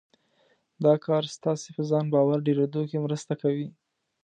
دا کار ستاسې په ځان باور ډېرېدو کې مرسته کوي.